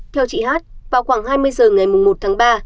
theo chị hát vào khoảng hai mươi h ngày một tháng ba